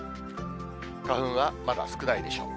花粉はまだ少ないでしょう。